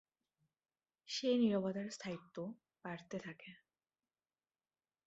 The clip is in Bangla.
সে নীরবতার স্থায়ীত্ব বাড়তে থাকে।